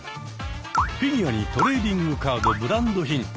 フィギュアにトレーディングカードブランド品。